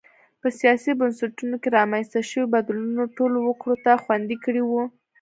په سیاسي بنسټونو کې رامنځته شویو بدلونونو ټولو وګړو ته خوندي کړي وو.